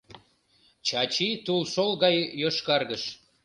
Чачи тулшол гай йошкаргыш.